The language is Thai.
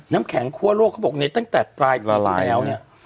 น้ำแข็งคั่วโลกเขาบอกในตั้งแต่ปลายปีที่แล้วเนี่ย